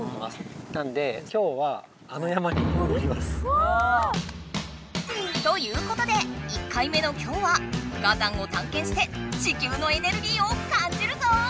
なんでわ！ということで１回目の今日は火山を探検して地球のエネルギーを感じるぞ！